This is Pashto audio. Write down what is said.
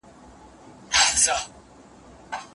د بهرنیو لغتونو کارونه نه ستایل کېږي.